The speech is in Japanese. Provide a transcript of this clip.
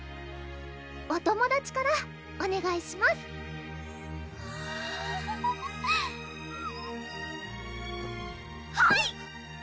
お友達からおねがいしますはい！